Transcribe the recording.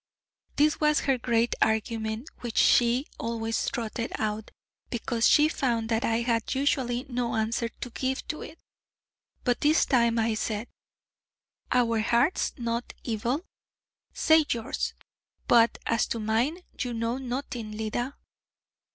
This was her great argument which she always trotted out, because she found that I had usually no answer to give to it. But this time I said: 'Our hearts not evil? Say yours: but as to mine you know nothing, Leda.'